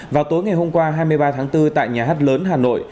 vào tối ngày hôm qua hai mươi ba tháng bốn tại nhà hát lớn hà nội